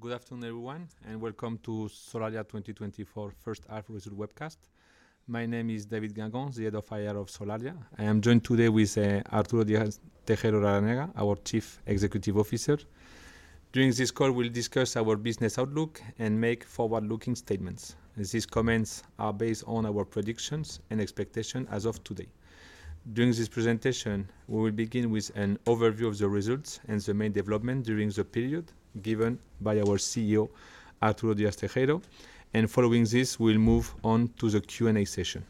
Good afternoon, everyone, and welcome to Solaria 2024 first half results webcast. My name is David Guengant, the Head of IR of Solaria. I am joined today with Arturo Díaz-Tejeiro Larrañaga, our Chief Executive Officer. During this call, we'll discuss our business outlook and make forward-looking statements. These comments are based on our predictions and expectation as of today. During this presentation, we will begin with an overview of the results and the main development during the period, given by our CEO, Arturo Díaz-Tejeiro, and following this, we'll move on to the Q&A session.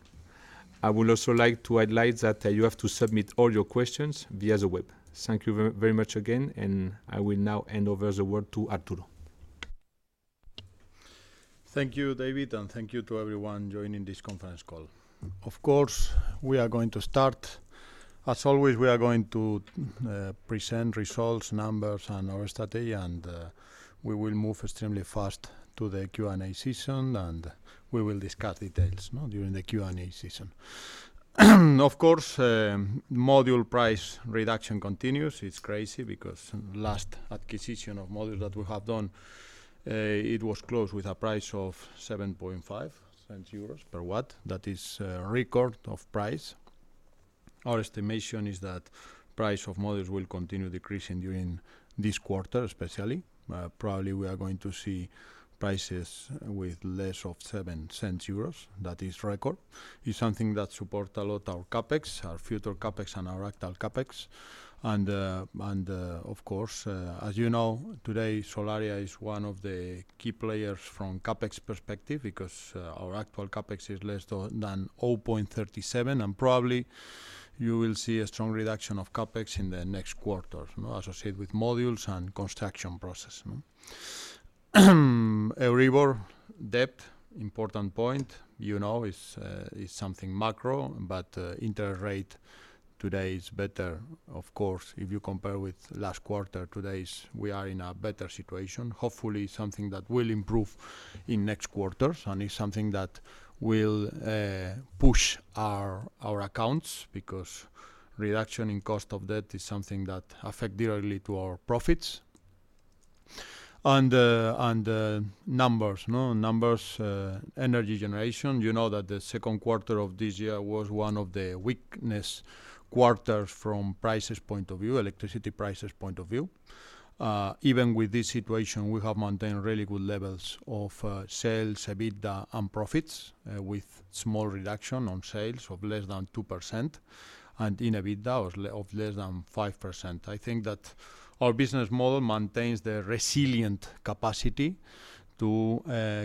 I would also like to highlight that you have to submit all your questions via the web. Thank you very much again, and I will now hand over the word to Arturo. Thank you, David, and thank you to everyone joining this conference call. Of course, we are going to start. As always, we are going to present results, numbers, and our strategy, and we will move extremely fast to the Q&A session, and we will discuss details, no? During the Q&A session. Of course, module price reduction continues. It's crazy because last acquisition of module that we have done, it was closed with a price of 0.075 per watt. That is a record of price. Our estimation is that price of modules will continue decreasing during this quarter, especially. Probably, we are going to see prices with less than EUR 0.07. That is record. It's something that support a lot our CapEx, our future CapEx, and our actual CapEx. Of course, as you know, today Solaria is one of the key players from CapEx perspective because our actual CapEx is less than 0.37, and probably you will see a strong reduction of CapEx in the next quarters, you know, associated with modules and construction process. Net debt, important point, you know, is something macro, but interest rate today is better. Of course, if you compare with last quarter, today we are in a better situation. Hopefully, something that will improve in next quarters, and is something that will push our accounts, because reduction in cost of debt is something that affects directly to our profits. And numbers, no? Numbers, energy generation, you know that the second quarter of this year was one of the weakness quarters from prices point of view, electricity prices point of view. Even with this situation, we have maintained really good levels of sales, EBITDA, and profits, with small reduction on sales of less than 2%, and in EBITDA of less than 5%. I think that our business model maintains the resilient capacity to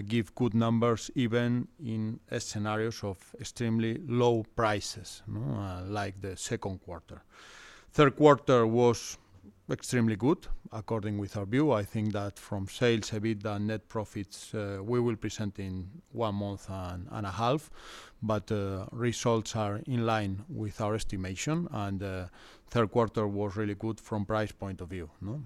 give good numbers even in scenarios of extremely low prices, no? Like the second quarter. Third quarter was extremely good, according with our view. I think that from sales, EBITDA, and net profits, we will present in one month and a half, but results are in line with our estimation, and third quarter was really good from price point of view, no?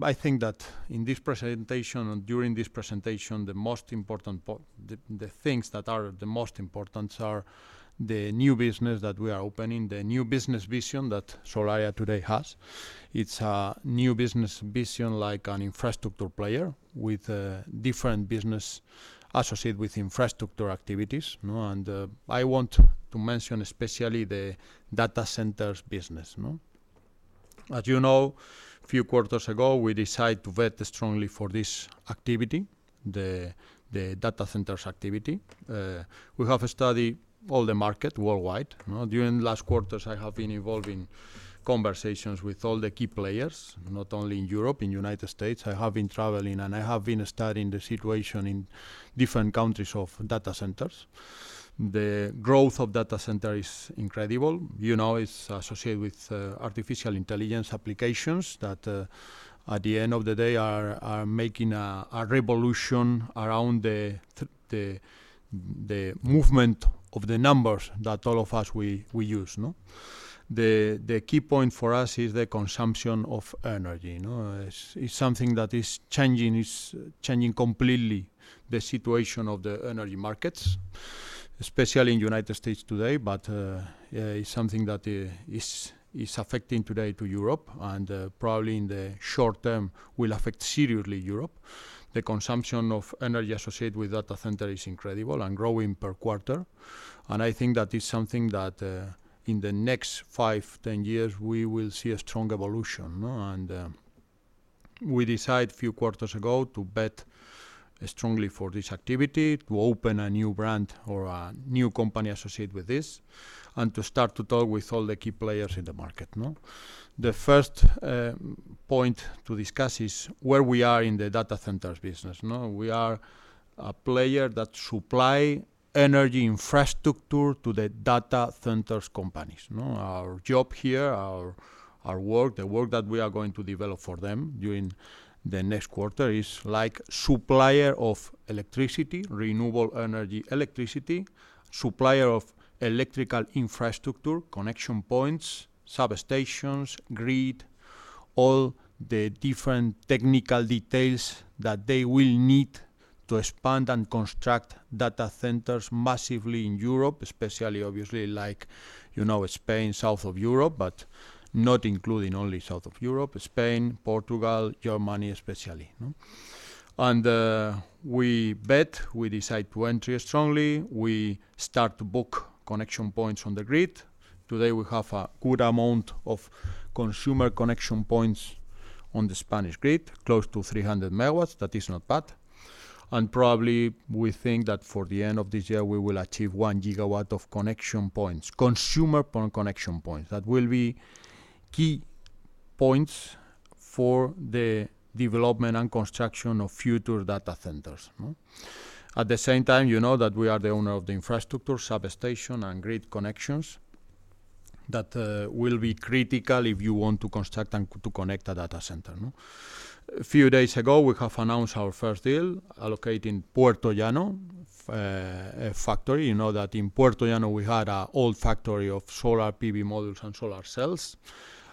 I think that in this presentation and during this presentation, the most important the things that are the most importance are the new business that we are opening, the new business vision that Solaria today has. It's a new business vision like an infrastructure player with different business associated with infrastructure activities, no? And I want to mention especially the data centers business, no? As you know, few quarters ago, we decide to bet strongly for this activity, the data centers activity. We have studied all the market worldwide, no? During the last quarters, I have been involved in conversations with all the key players, not only in Europe, in United States. I have been traveling, and I have been studying the situation in different countries of data centers. The growth of data center is incredible. You know, it's associated with artificial intelligence applications that at the end of the day are making a revolution around the movement of the numbers that all of us we use, no? The key point for us is the consumption of energy, no? It's something that is changing. It's changing completely the situation of the energy markets, especially in the United States today, but it's something that is affecting today to Europe and probably in the short term will affect seriously Europe. The consumption of energy associated with data center is incredible and growing per quarter, and I think that is something that in the next five, 10 years, we will see a strong evolution, no? We decide a few quarters ago to bet strongly for this activity, to open a new brand or a new company associated with this, and to start to talk with all the key players in the market, no? The first point to discuss is where we are in the data centers business, no? We are a player that supply energy infrastructure to the data centers companies, no? Our job here, our work, the work that we are going to develop for them during the next quarter is like supplier of electricity, renewable energy electricity, supplier of electrical infrastructure, connection points, substations, grid, all the different technical details that they will need to expand and construct data centers massively in Europe, especially obviously, like, you know, Spain, south of Europe, but not including only south of Europe, Spain, Portugal, Germany, especially, no? We bet, we decide to enter strongly. We start to book connection points on the grid. Today, we have a good amount of consumer connection points on the Spanish grid, close to 300 megawatts. That is not bad. And probably, we think that for the end of this year, we will achieve one gigawatt of connection points, consumer point connection points. That will be key points for the development and construction of future data centers, no? At the same time, you know that we are the owner of the infrastructure, substation and grid connections, that will be critical if you want to construct and to connect a data center, no? A few days ago, we have announced our first deal, allocating Puertollano, a factory. You know that in Puertollano, we had a old factory of solar PV. modules and solar cells,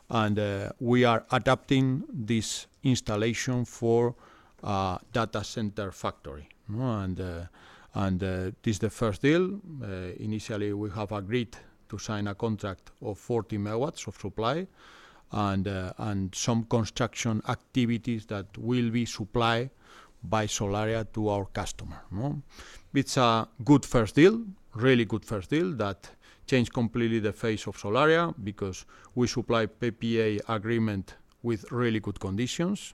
and we are adapting this installation for data center factory, no? And this is the first deal. Initially, we have agreed to sign a contract of 40 MW of supply and some construction activities that will be supplied by Solaria to our customer, no? It's a good first deal, really good first deal that change completely the face of Solaria, because we supply PPA agreement with really good conditions.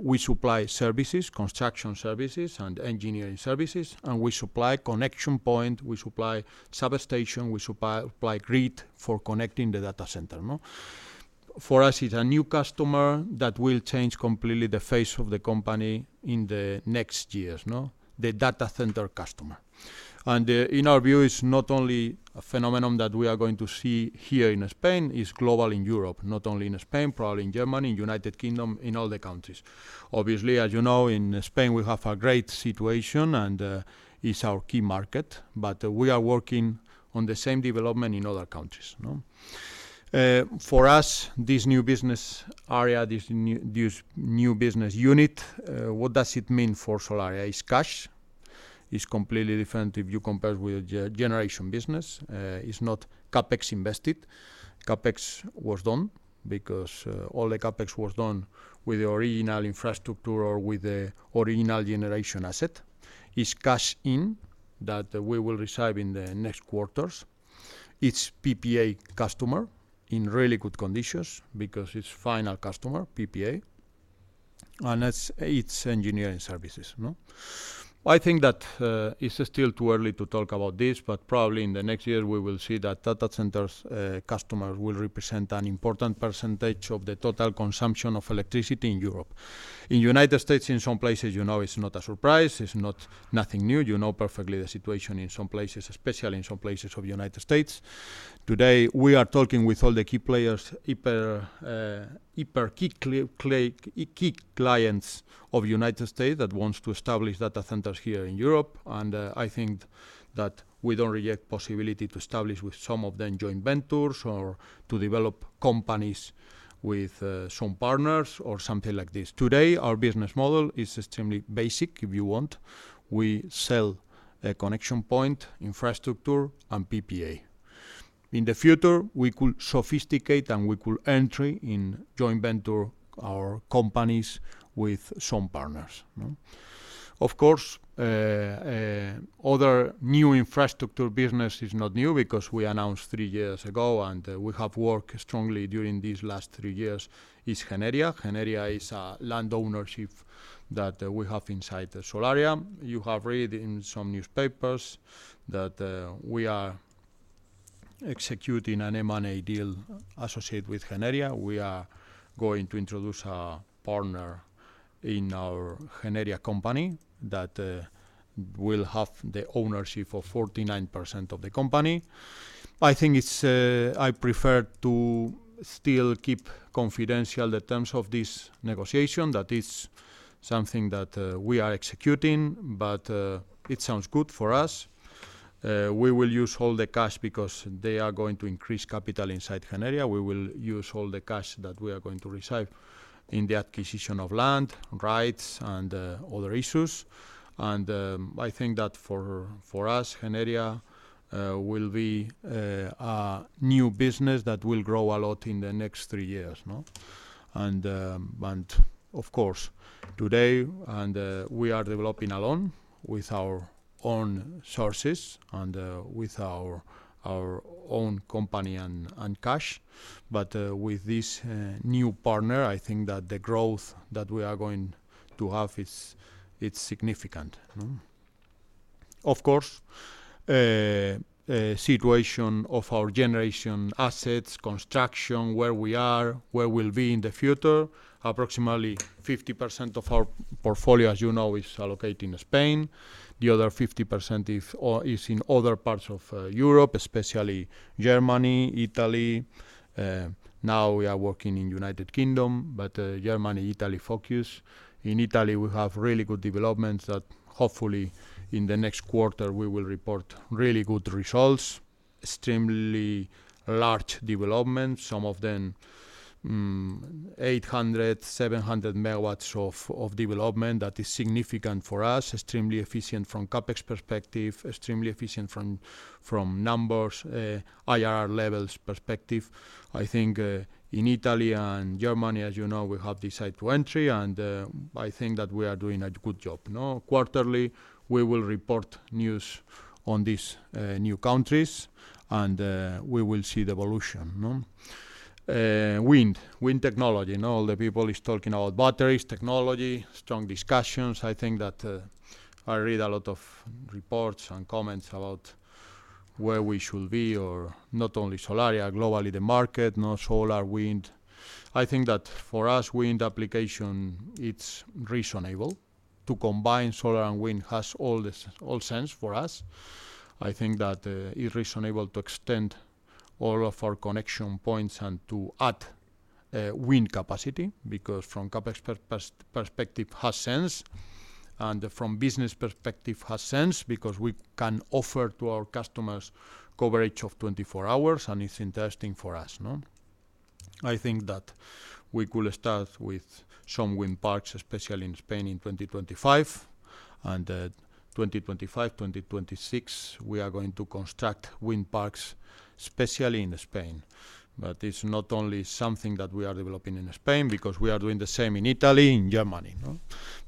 We supply services, construction services and engineering services, and we supply connection point, we supply substation, we supply grid for connecting the data center, no? For us, it's a new customer that will change completely the face of the company in the next years, no? The data center customer. In our view, it's not only a phenomenon that we are going to see here in Spain. It's global in Europe, not only in Spain, probably in Germany, United Kingdom, in all the countries. Obviously, as you know, in Spain, we have a great situation, and it's our key market, but we are working on the same development in other countries, no? For us, this new business area, this new business unit, what does it mean for Solaria? It's cash. It's completely different if you compare with a generation business. It's not CapEx invested. CapEx was done because all the CapEx was done with the original infrastructure or with the original generation asset. It's cash in that we will receive in the next quarters. It's PPA customer in really good conditions because it's final customer, PPA, and it's engineering services, no? I think that it's still too early to talk about this, but probably in the next year, we will see that data centers customer will represent an important percentage of the total consumption of electricity in Europe. In United States, in some places, you know, it's not a surprise. It's not nothing new. You know perfectly the situation in some places, especially in some places of United States. Today, we are talking with all the key players, hyper key clients of United States that wants to establish data centers here in Europe. And I think that we don't reject possibility to establish with some of them joint ventures or to develop companies with some partners or something like this. Today, our business model is extremely basic, if you want. We sell a connection point, infrastructure and PPA. In the future, we could sophisticate, and we could entry in joint venture our companies with some partners, no? Of course, other new infrastructure business is not new because we announced three years ago, and we have worked strongly during these last three years, is Generia. Generia is a land ownership that we have inside the Solaria. You have read in some newspapers that we are executing an M&A deal associated with Generia. We are going to introduce a partner in our Generia company that will have the ownership of 49% of the company. I think it's. I prefer to still keep confidential the terms of this negotiation. That is something that we are executing, but it sounds good for us. We will use all the cash because they are going to increase capital inside Generia. We will use all the cash that we are going to receive in the acquisition of land, rights, and other issues. And I think that for us, Generia will be a new business that will grow a lot in the next three years, no? And of course, today, we are developing alone with our own sources and with our own company and cash. But with this new partner, I think that the growth that we are going to have it's significant, no? Of course, situation of our generation assets, construction, where we are, where we'll be in the future, approximately 50% of our portfolio, as you know, is allocated in Spain. The other 50% is in other parts of Europe, especially Germany, Italy. Now we are working in United Kingdom, but Germany, Italy focus. In Italy, we have really good developments that hopefully in the next quarter, we will report really good results. Extremely large development, some of them 800, 700 MW of development. That is significant for us. Extremely efficient from CapEx perspective, extremely efficient from numbers, IR levels perspective. I think in Italy and Germany, as you know, we have decide to entry, and I think that we are doing a good job, no? Quarterly, we will report news on these new countries, and we will see the evolution, no? Wind technology. Now, all the people is talking about batteries, technology, strong discussions. I think that, I read a lot of reports and comments about where we should be or not only Solaria, globally, the market, no solar, wind. I think that for us, wind application, it's reasonable. To combine solar and wind has all the sense for us. I think that, it's reasonable to extend all of our connection points and to add, wind capacity, because from CapEx perspective, has sense. And from business perspective, has sense, because we can offer to our customers coverage of 24 hours, and it's interesting for us, no? I think that we could start with some wind parks, especially in Spain, in 2025, and 2025, 2026, we are going to construct wind parks, especially in Spain. But it's not only something that we are developing in Spain, because we are doing the same in Italy, in Germany, no?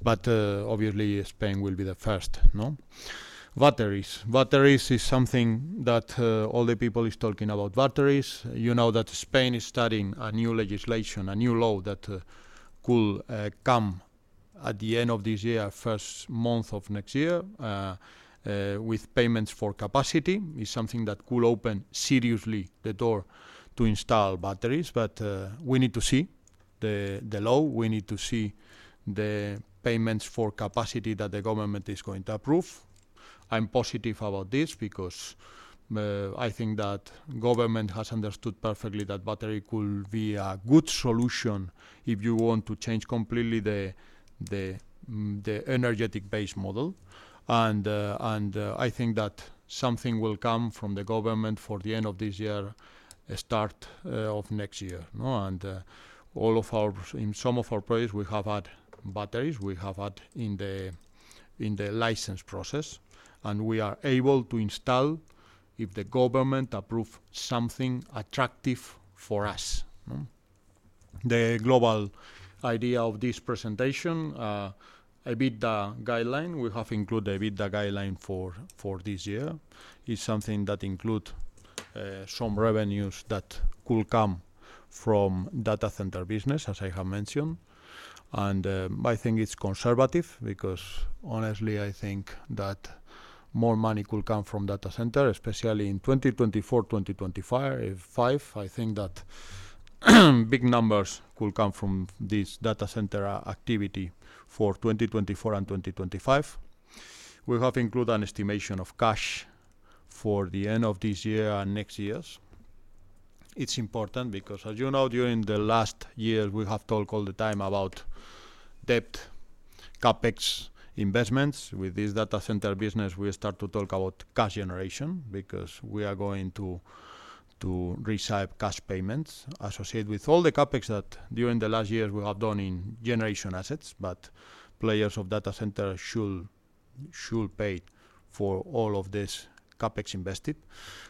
But, obviously, Spain will be the first, no? Batteries. Batteries is something that all the people is talking about. Batteries, you know that Spain is starting a new legislation, a new law that could come at the end of this year, first month of next year. With payments for capacity, is something that could open seriously the door to install batteries. But, we need to see the law. We need to see the payments for capacity that the government is going to approve. I'm positive about this because, I think that government has understood perfectly that battery could be a good solution if you want to change completely the energetic base model. And, I think that something will come from the government for the end of this year, start of next year, no? All of our in some of our projects, we have added batteries, we have added in the in the license process, and we are able to install if the government approve something attractive for us. The global idea of this presentation, EBITDA guideline. We have included the EBITDA guideline for this year. It's something that include some revenues that could come from data center business, as I have mentioned. I think it's conservative because honestly, I think that more money could come from data center, especially in 2024, 2025. I think that big numbers could come from this data center activity for 2024 and 2025. We have included an estimation of cash for the end of this year and next years. It's important because, as you know, during the last year, we have talked all the time about debt, CapEx investments. With this data center business, we start to talk about cash generation, because we are going to receive cash payments associated with all the CapEx that during the last years we have done in generation assets. But players of data center should pay for all of this CapEx invested.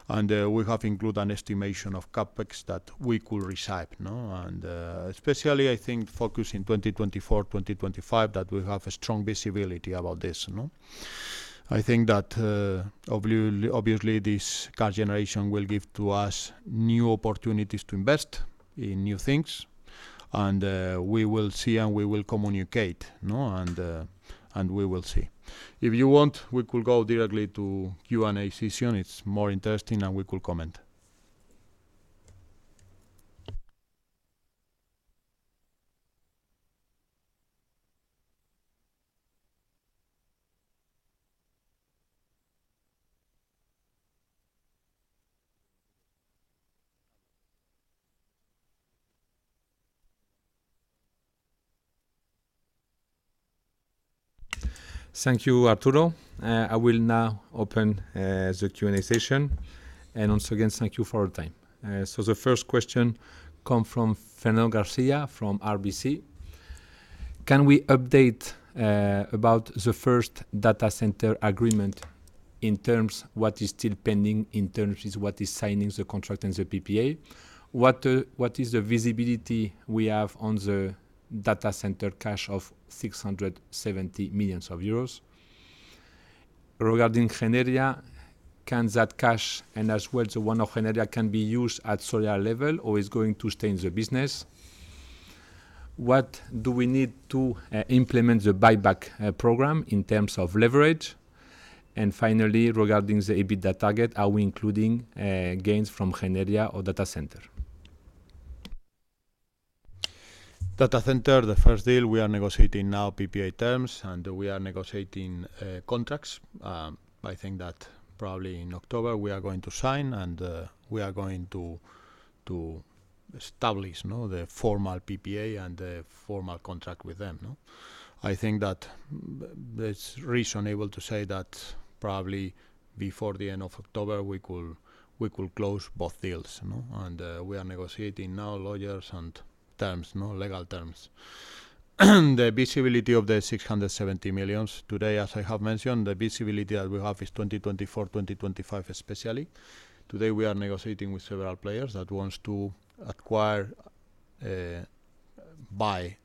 And we have included an estimation of CapEx that we could receive, no? And especially I think focus in 2024, 2025, that we have a strong visibility about this, no? I think that obviously this cash generation will give to us new opportunities to invest in new things. And we will see, and we will communicate, no? And and we will see. If you want, we could go directly to Q&A session. It's more interesting, and we could comment. Thank you, Arturo. I will now open the Q&A session. And once again, thank you for your time. So the first question comes from Fernando Garcia, from RBC. Can we update about the first data center agreement in terms of what is still pending, in terms of what is signing the contract and the PPA? What is the visibility we have on the data center cash of 670 million euros? Regarding Generia, can that cash and as well the one of Generia be used at solar level or is going to stay in the business? What do we need to implement the buyback program in terms of leverage? And finally, regarding the EBITDA target, are we including gains from Generia or data center? Data center, the first deal we are negotiating now PPA terms, and we are negotiating contracts. I think that probably in October, we are going to sign, and we are going to establish, no, the formal PPA and the formal contract with them, no? I think that it's reasonable to say that probably before the end of October, we could close both deals, you know? We are negotiating now, lawyers and terms, no, legal terms. The visibility of the 670 million. Today, as I have mentioned, the visibility that we have is 2024, 2025, especially. Today, we are negotiating with several players that wants to acquire buy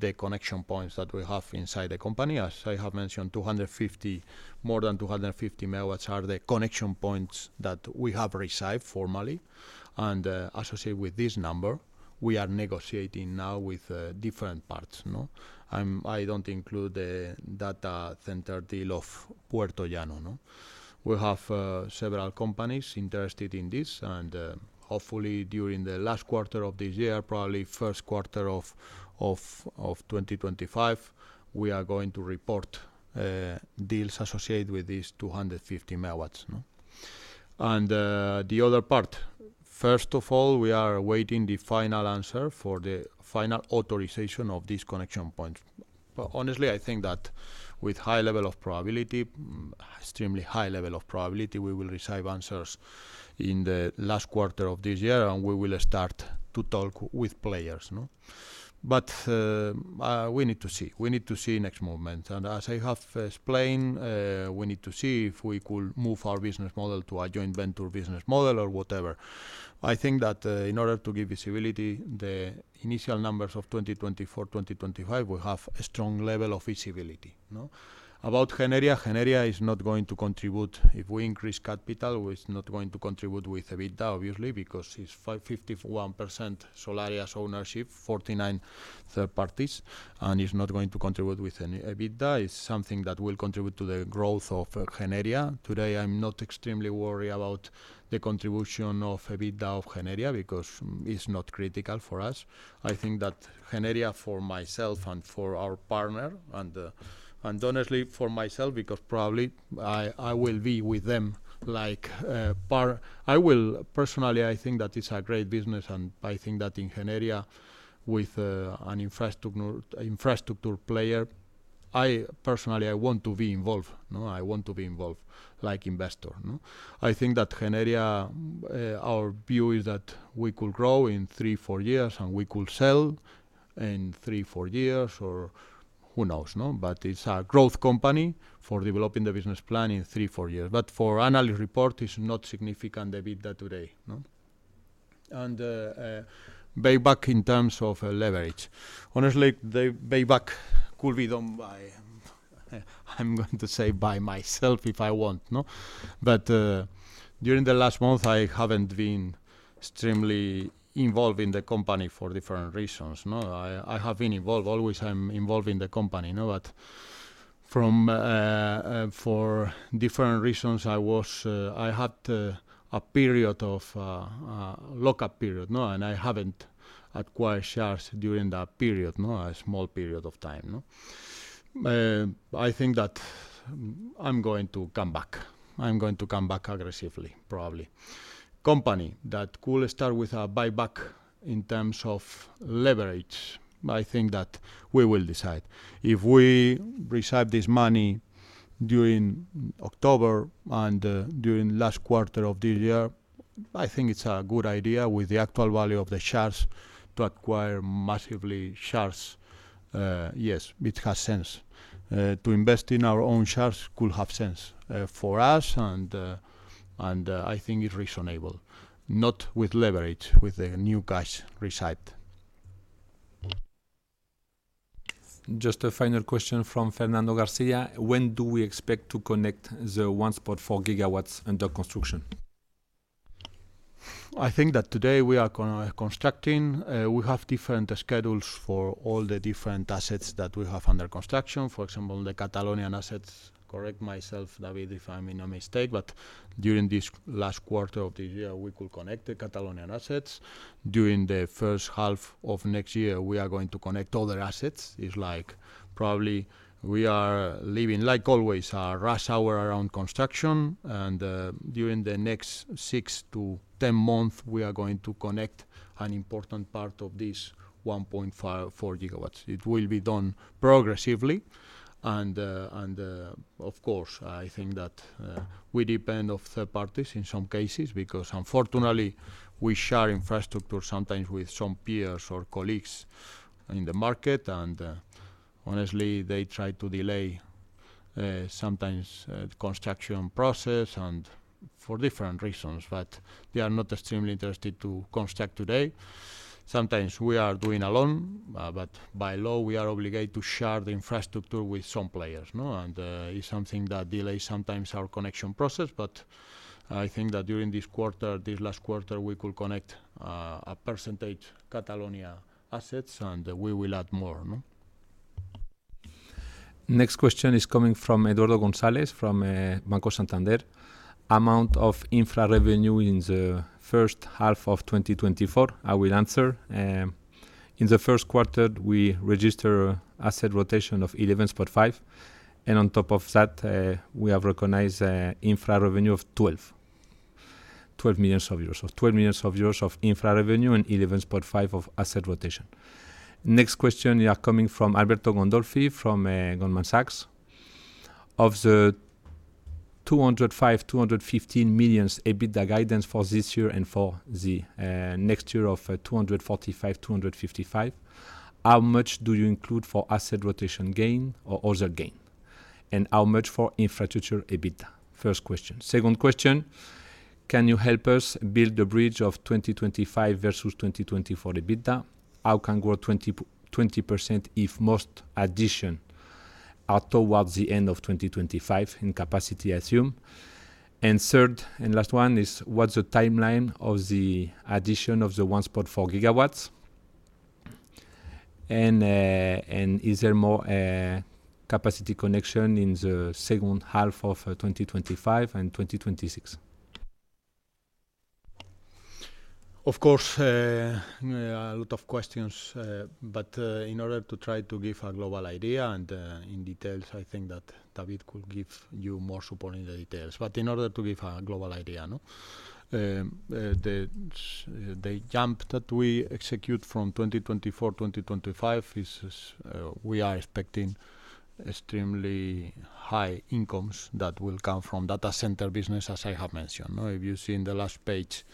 the connection points that we have inside the company. As I have mentioned, more than 250 megawatts are the connection points that we have received formally. Associated with this number, we are negotiating now with different parties, no? I don't include the data center deal of Puertollano, no? We have several companies interested in this, and hopefully, during the last quarter of this year, probably first quarter of 2025, we are going to report deals associated with these 250 MW, no? The other part, first of all, we are awaiting the final answer for the final authorization of these connection points. But honestly, I think that with high level of probability, extremely high level of probability, we will receive answers in the last quarter of this year, and we will start to talk with players, no? But we need to see. We need to see next movement. And as I have explained, we need to see if we could move our business model to a joint venture business model or whatever. I think that in order to give visibility, the initial numbers of 2024, 2025, we have a strong level of visibility, no? About Generia, Generia is not going to contribute. If we increase capital, it's not going to contribute with EBITDA, obviously, because it's 51% Solaria's ownership, 49 third parties, and it's not going to contribute with any EBITDA. It's something that will contribute to the growth of Generia. Today, I'm not extremely worried about the contribution of EBITDA of Generia, because it's not critical for us. I think that Generia, for myself and for our partner, and honestly for myself, because probably I will be with them. Personally, I think that it's a great business, and I think that in Generia, with an infrastructure player, I personally want to be involved, no? I want to be involved, like investor, no? I think that Generia, our view is that we could grow in three, four years, and we could sell in three, four years, or who knows, no? But it's a growth company for developing the business plan in three, four years. But for annual report, it's not significant, the EBITDA today, no? And buyback in terms of leverage. Honestly, the buyback could be done by, I'm going to say by myself, if I want, no? But, during the last month, I haven't been extremely involved in the company for different reasons, no. I, I have been involved. Always, I'm involved in the company, no, but from, for different reasons, I had a period of lock-up period, no? And I haven't acquired shares during that period, no, a small period of time, no. I think that I'm going to come back. I'm going to come back aggressively, probably. Company that could start with a buyback in terms of leverage, I think that we will decide. If we receive this money during October and, during last quarter of this year, I think it's a good idea, with the actual value of the shares, to acquire massively shares. Yes, it has sense. To invest in our own shares could have sense, for us, and I think it's reasonable, not with leverage, with the new cash received. Just a final question from Fernando Garcia: When do we expect to connect the 1.4 GW under construction? I think that today we are constructing. We have different schedules for all the different assets that we have under construction. For example, the Catalonian assets, correct me, David, if I'm mistaken, but during this last quarter of the year, we could connect the Catalonian assets. During the first half of next year, we are going to connect other assets. It's like, probably we are living, like always, a rush hour around construction, and during the next six to ten months, we are going to connect an important part of this 1.4 GW. It will be done progressively, and of course, I think that we depend on third parties in some cases, because unfortunately, we share infrastructure sometimes with some peers or colleagues in the market, and honestly, they try to delay sometimes the construction process and for different reasons, but they are not extremely interested to construct today. Sometimes we are doing alone, but by law, we are obligated to share the infrastructure with some players, no? It's something that delays sometimes our connection process, but I think that during this quarter, this last quarter, we could connect a percentage Catalonia assets, and we will add more, no? Next question is coming from Eduardo Gonzalez from Banco Santander. Amount of infra revenue in the first half of 2024. I will answer. In the first quarter, we registered asset rotation of 11.5, and on top of that, we have recognized infra revenue of 12 million euros. So 12 million euros of infra revenue and 11.5 of asset rotation. Next question are coming from Alberto Gandolfi from Goldman Sachs: Of the 205 million-215 million EBITDA guidance for this year and for the next year of 245 million-255 million, how much do you include for asset rotation gain or other gain, and how much for infrastructure EBITDA? First question. Second question: Can you help us build the bridge of 2025 versus 2020 for EBITDA? How can grow 20% if most addition are towards the end of 2025, in capacity, I assume? And third and last one is: What's the timeline of the addition of the 1.4 GW? And is there more capacity connection in the second half of 2025 and 2026? Of course, a lot of questions, but in order to try to give a global idea and in details, I think that David could give you more support in the details. But in order to give a global idea, no? The jump that we execute from 2024, 2025 is, is we are expecting extremely high incomes that will come from data center business, as I have mentioned, no? If you see in the last page,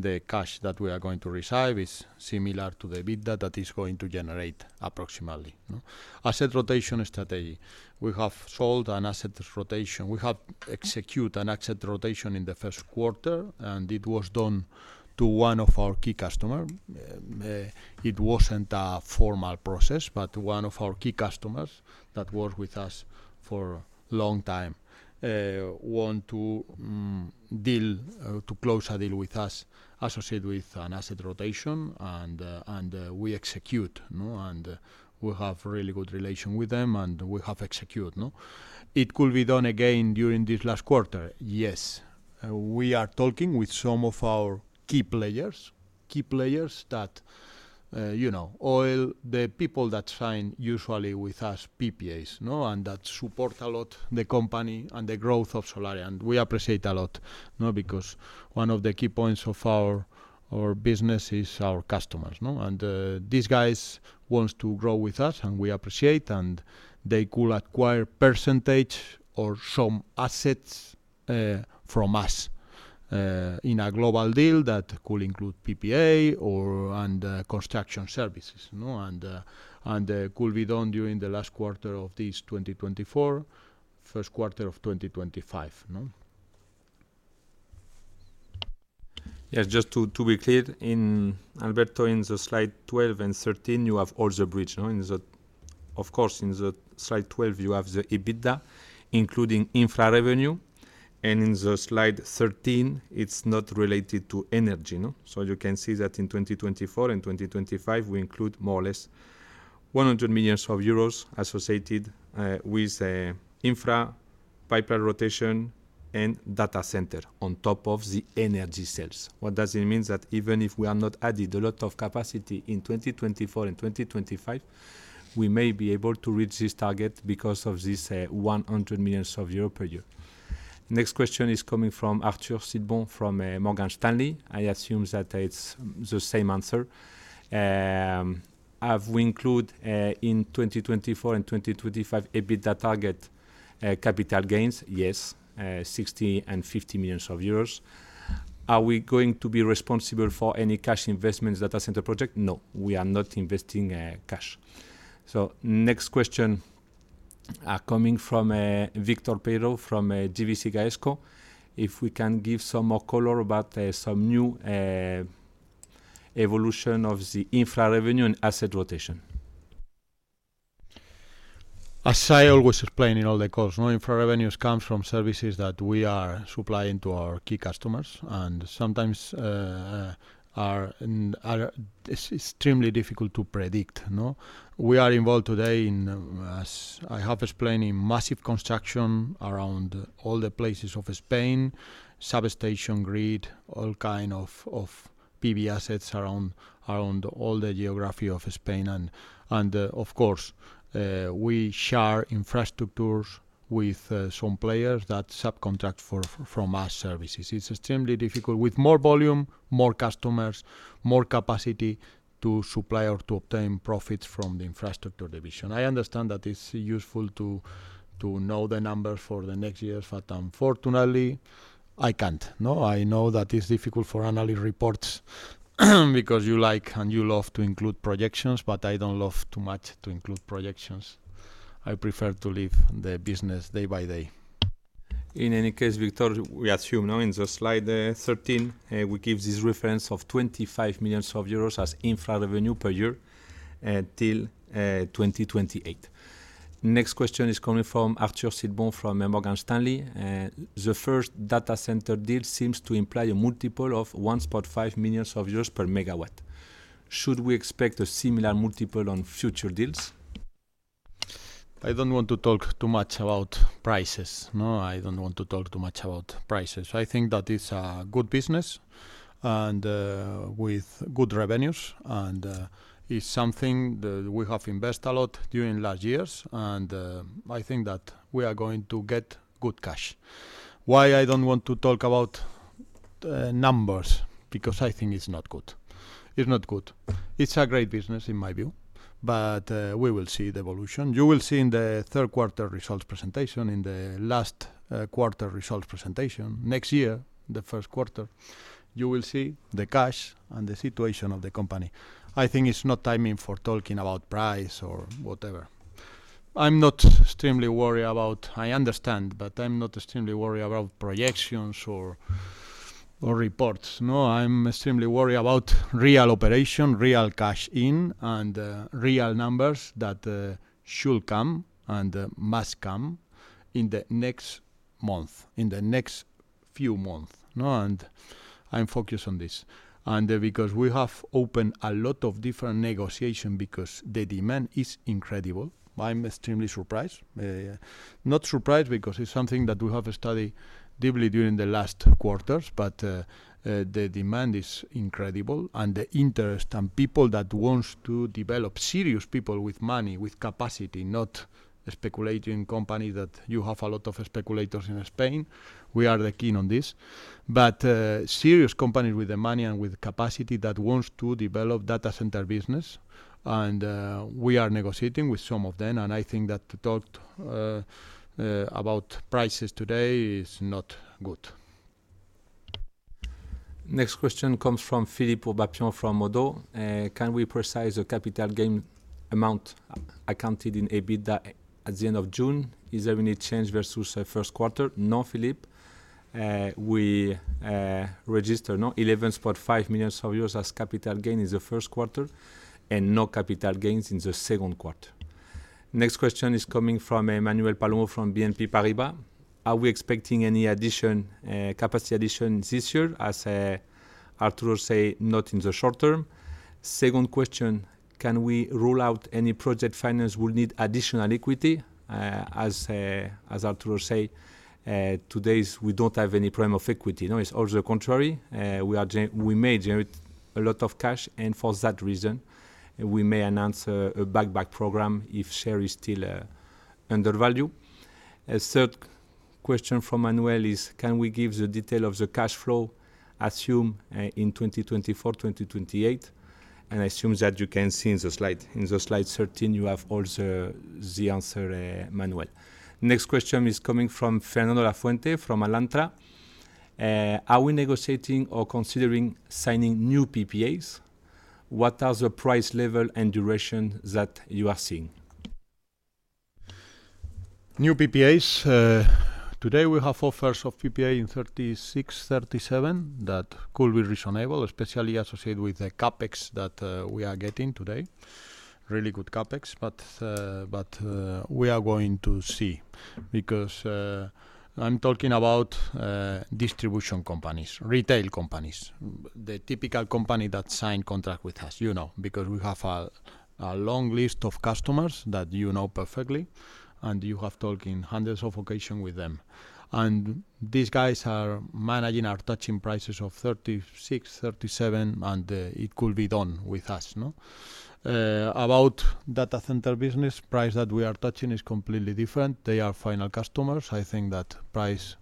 the cash that we are going to receive is similar to the EBITDA that is going to generate approximately, no? Asset rotation strategy. We have sold an asset rotation. We have execute an asset rotation in the first quarter, and it was done to one of our key customer. It wasn't a formal process, but one of our key customers that work with us for a long time, want to, deal, to close a deal with us, associated with an asset rotation, and, and, we execute, no? And, we have really good relation with them, and we have execute, no? It could be done again during this last quarter. Yes, we are talking with some of our key players, key players that, you know, all the people that sign usually with us, PPAs, no? And that support a lot the company and the growth of Solaria, and we appreciate a lot, no? Because one of the key points of our, our business is our customers, no? And these guys wants to grow with us, and we appreciate, and they could acquire percentage or some assets from us in a global deal that could include PPA or and construction services, no? And could be done during the last quarter of this 2024, first quarter of 2025, no? Yes, just to be clear, Alberto, in the slide 12 and 13, you have all the bridge, no? In, of course, in the slide 12, you have the EBITDA, including infra revenue, and in the slide 13, it's not related to energy, no? So you can see that in 2024 and 2025, we include more or less 100 million euros associated with infra, asset rotation, and data center on top of the energy sales. What does it means? That even if we are not added a lot of capacity in 2024 and 2025, we may be able to reach this target because of this 100 million euro per year. Next question is coming from Arthur Sitbon from Morgan Stanley. I assume that it's the same answer. Have we included in 2024 and 2025 EBITDA target capital gains? Yes, 60 million and 50 million euros. Are we going to be responsible for any cash investments data center project? No, we are not investing cash. Next question is coming from Victor Peiro from GVC Gaesco. If we can give some more color about some new evolution of the infra revenue and asset rotation. As I always explain in all the calls, no infra revenues comes from services that we are supplying to our key customers, and sometimes are extremely difficult to predict, no? We are involved today in, as I have explained, in massive construction around all the places of Spain, substation, grid, all kind of PV assets around all the geography of Spain. Of course, we share infrastructures with some players that subcontract from our services. It's extremely difficult, with more volume, more customers, more capacity to supply or to obtain profits from the infrastructure division. I understand that it's useful to know the numbers for the next years, but unfortunately, I can't, no? I know that it's difficult for analyst reports, because you like and you love to include projections, but I don't love too much to include projections. I prefer to live the business day by day. In any case, Victor, we assume, no, in the slide 13, we give this reference of 25 million euros as infra revenue per year, till 2028. Next question is coming from Arthur Sitbon from Morgan Stanley. The first data center deal seems to imply a multiple of 1.5 million euros per MW. Should we expect a similar multiple on future deals? I don't want to talk too much about prices, no? I don't want to talk too much about prices. I think that it's a good business... and with good revenues, and it's something that we have invest a lot during last years, and I think that we are going to get good cash. Why I don't want to talk about numbers? Because I think it's not good. It's not good. It's a great business, in my view, but we will see the evolution. You will see in the third quarter results presentation, in the last quarter results presentation. Next year, the first quarter, you will see the cash and the situation of the company. I think it's not timing for talking about price or whatever. I'm not extremely worried about... I understand, but I'm not extremely worried about projections or reports. No, I'm extremely worried about real operation, real cash in, and real numbers that should come and must come in the next month, in the next few month, no? I'm focused on this. Because we have opened a lot of different negotiation because the demand is incredible, I'm extremely surprised. Not surprised because it's something that we have studied deeply during the last quarters, but the demand is incredible, and the interest and people that wants to develop, serious people with money, with capacity, not speculating company, that you have a lot of speculators in Spain. We are keen on this, but serious company with the money and with the capacity that wants to develop data center business, and we are negotiating with some of them, and I think that to talk about prices today is not good. Next question comes from Philippe Ourpatian from Oddo BHF. Can we specify the capital gain amount accounted in EBITDA at the end of June? Is there any change versus first quarter? No, Philippe. We registered 11.5 million euros as capital gain in the first quarter, and no capital gains in the second quarter. Next question is coming from Manuel Palomo from BNP Paribas. Are we expecting any addition capacity addition this year? As Arturo say, not in the short term. Second question, can we rule out any project finance will need additional equity? As Arturo say, today, we don't have any problem of equity, no? It's all the contrary. We are generating a lot of cash, and for that reason, we may announce a buyback program if share is still undervalued. A third question from Manuel is: Can we give the detail of the cash flow assumptions in 2024, 2028? And I assume that you can see in the slide. In the slide 13, you have all the answer, Manuel. Next question is coming from Fernando Lafuente from Alantra. Are we negotiating or considering signing new PPAs? What are the price level and duration that you are seeing? New PPAs, today we have offers of PPA in 36-37 that could be reasonable, especially associated with the CapEx that we are getting today. Really good CapEx, but, but, we are going to see, because, I'm talking about, distribution companies, retail companies, the typical company that sign contract with us, you know, because we have a long list of customers that you know perfectly, and you have talked in hundreds of occasion with them. And these guys are managing or touching prices of 36- 37, and, it could be done with us, no? About data center business, price that we are touching is completely different. They are final customers. I think that price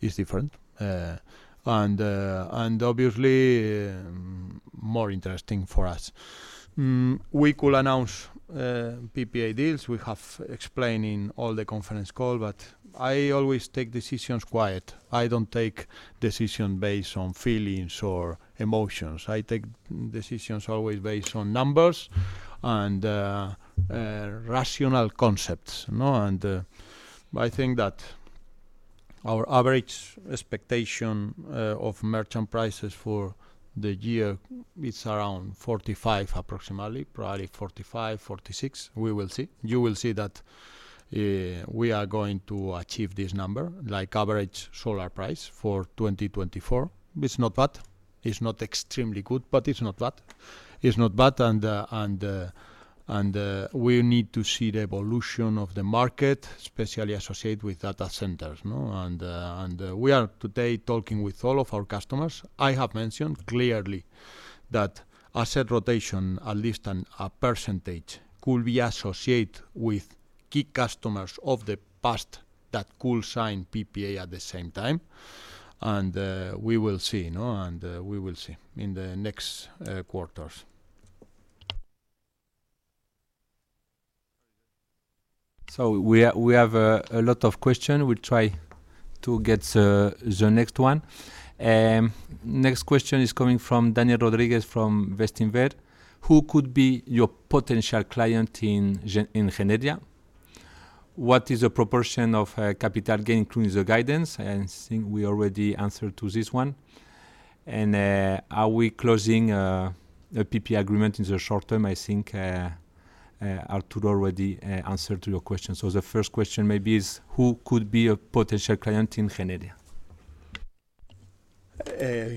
is different, and, and obviously, more interesting for us. We could announce PPA deals. We've been explaining throughout the conference call, but I always take decisions quietly. I don't take decisions based on feelings or emotions. I take decisions always based on numbers and rational concepts, no? And I think that our average expectation of merchant prices for the year is around 45 million, approximately, probably 45 million -46 million. We will see. You will see that we are going to achieve this number, like average solar price for 2024. It's not bad. It's not extremely good, but it's not bad. It's not bad, and we need to see the evolution of the market, especially associated with data centers, no? And we are today talking with all of our customers. I have mentioned clearly that asset rotation, at least a percentage, could be associated with key customers of the past that could sign PPA at the same time. And we will see, no? And we will see in the next quarters. So we have a lot of question. We'll try to get the next one. Next question is coming from Daniel Rodriguez from Bestinver. Who could be your potential client in Generia? What is the proportion of capital gain, including the guidance? I think we already answered to this one. And are we closing a PPA agreement in the short term? I think Arturo already answered to your question. So the first question maybe is: Who could be a potential client in Generia?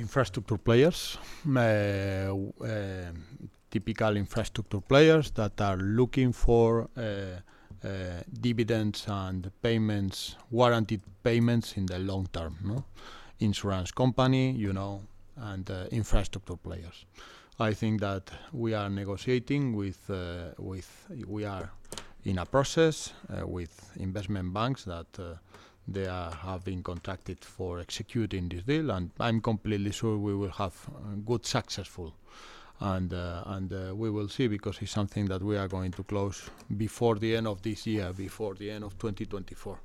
Infrastructure players, typical infrastructure players that are looking for dividends and payments, warranted payments in the long term, no? Insurance company, you know, and infrastructure players. I think that we are negotiating with, we are in a process with investment banks that they have been contacted for executing this deal, and I'm completely sure we will have good successful. And we will see, because it's something that we are going to close before the end of this year, before the end of 2024.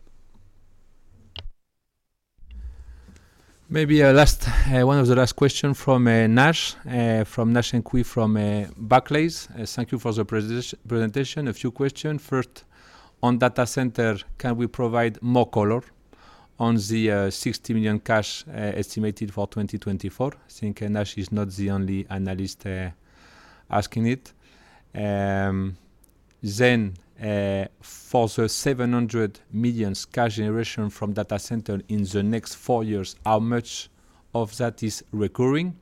Maybe a last one of the last question from Nash and Qi from Barclays. Thank you for the presentation. A few questions: first, on data center, can we provide more color on the 60 million cash estimated for 2024? I think Nash is not the only analyst asking it. Then for the 700 million cash generation from data center in the next four years, how much of that is recurring?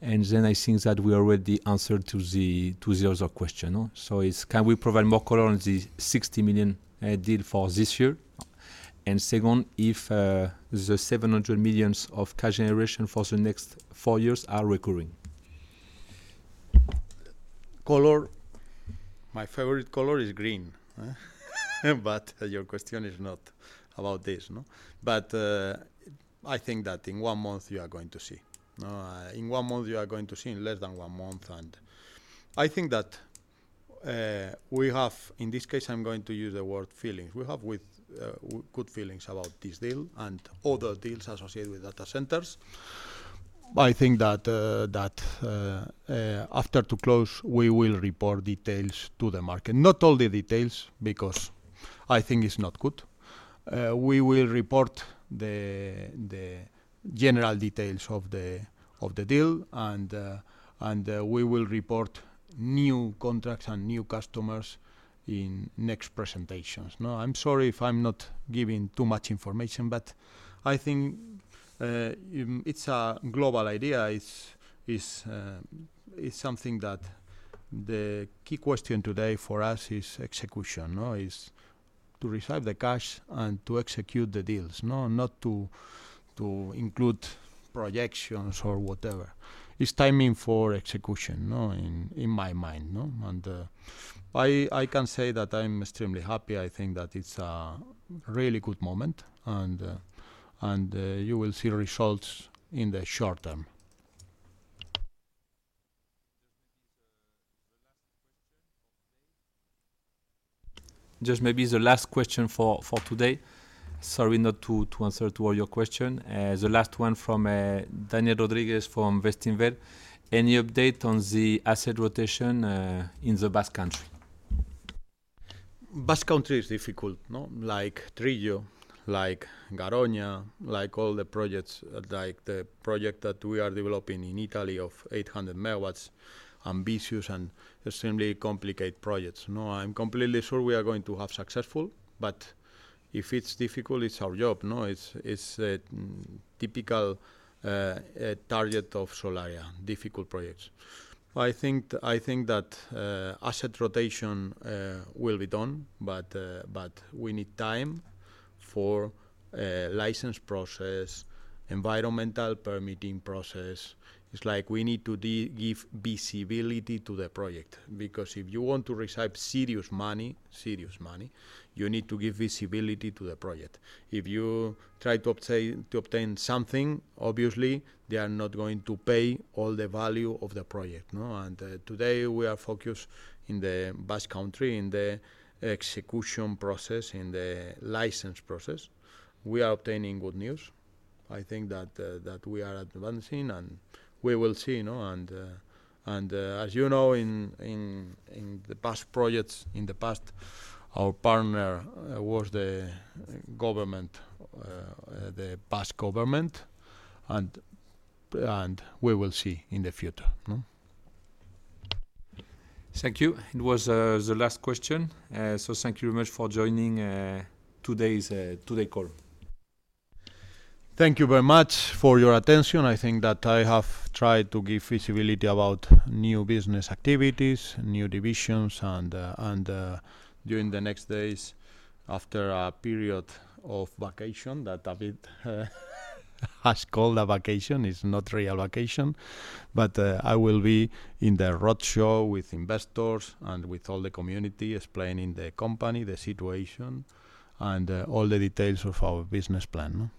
And then I think that we already answered to the other question, no? So it's can we provide more color on the 60 million deal for this year? And second, if the 700 million of cash generation for the next four years are recurring. Color, my favorite color is green, but your question is not about this, no? But I think that in one month you are going to see. In one month you are going to see, in less than one month. I think that we have... In this case, I'm going to use the word feelings. We have good feelings about this deal and other deals associated with data centers. I think that after to close, we will report details to the market. Not all the details, because I think it's not good. We will report the general details of the deal, and we will report new contracts and new customers in next presentations. No, I'm sorry if I'm not giving too much information, but I think it's a global idea. It's something that the key question today for us is execution, no? Is to receive the cash and to execute the deals, no? Not to include projections or whatever. It's timing for execution, no, in my mind, no? And I can say that I'm extremely happy. I think that it's a really good moment, and you will see results in the short term. Just maybe the last question for today. Sorry, not to answer to all your question. The last one from Daniel Rodriguez from Bestinver: Any update on the asset rotation in the Basque Country? Basque Country is difficult, no? Like Trillo, like Garoña, like all the projects, like the project that we are developing in Italy of 800 megawatts, ambitious and extremely complicated projects. No, I'm completely sure we are going to have successful, but if it's difficult, it's our job, no? It's a typical target of Solaria, difficult projects. I think that asset rotation will be done, but we need time for license process, environmental permitting process. It's like we need to give visibility to the project, because if you want to receive serious money, serious money, you need to give visibility to the project. If you try to obtain something, obviously, they are not going to pay all the value of the project, no? Today, we are focused in the Basque Country, in the execution process, in the license process. We are obtaining good news. I think that we are advancing, and we will see, no? As you know, in the Basque projects, in the past, our partner was the government, the Basque Government, and we will see in the future, no? Thank you. It was the last question. So thank you very much for joining today's call. Thank you very much for your attention. I think that I have tried to give visibility about new business activities, new divisions, and during the next days, after a period of vacation that a bit has called a vacation, it's not real vacation, but I will be in the roadshow with investors and with all the community, explaining the company, the situation, and all the details of our business plan, no?